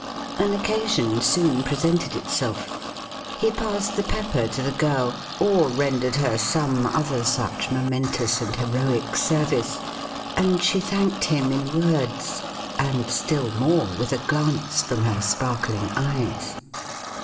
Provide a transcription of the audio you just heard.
An occasion soon presented itself. He passed the pepper to the girl, or rendered her some other such momentous and heroic service, and she thanked him in words, and still more with a glance from her sparkling eyes.